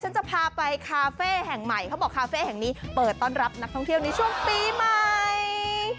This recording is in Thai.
จะพาไปคาเฟ่แห่งใหม่เขาบอกคาเฟ่แห่งนี้เปิดต้อนรับนักท่องเที่ยวในช่วงปีใหม่